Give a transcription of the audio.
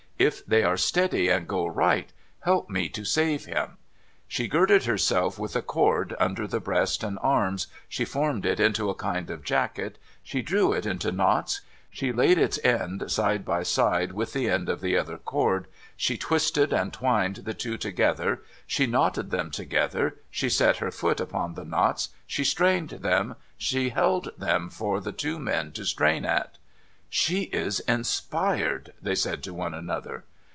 If they are steady and go right, help me to save him !' She girded herself with a cord under the breast and arms, she formed it into a kind of jacket, she drew it into knots, she laid its end side by side with the end of the other cord, she twisted and twined the two together, she knotted them together, she set her foot upon the knots, she strained them, she held them for the two men to strain at. ' She is inspired,' they said to one another.